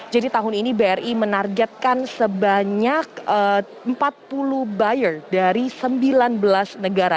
jadi tahun ini bri menargetkan sebanyak empat puluh buyer dari sembilan belas negara